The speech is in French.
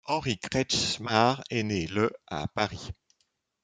Henri Kretzschmar est né le à Paris.